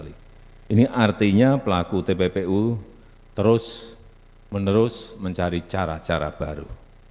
ini artinya pelaku tppu terus menerus mencari cara cara baru